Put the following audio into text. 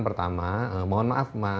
pertama mohon maaf